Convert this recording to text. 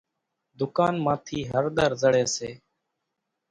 ڌُڪان مان ٿي ھۮر لئي سي،